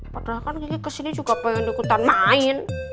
padahal kan gigi kesini juga pengen ikutan main